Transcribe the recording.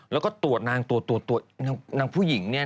แล้วก็ตรวจนางตรวจตัวนางผู้หญิงเนี่ย